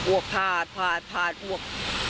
อ้วกผาดผาดผาดอ้วก